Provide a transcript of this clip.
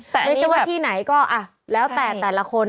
ไม่ใช่ว่าที่ไหนก็แล้วแต่แต่ละคน